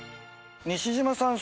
西島さん。